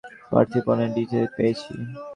পার্থিপনের details পেয়েছি।